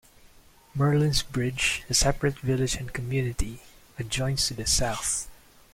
Merlin's Bridge, a separate village and community, adjoins to the south.